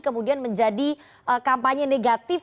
kemudian menjadi kampanye negatif